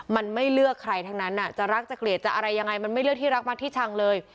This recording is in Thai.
มันไม่เลือกใครทั้งนั้นจะรักจะเกลียดจะอะไรยังไงมันไม่เลือกที่รักมัดที่ชังเลย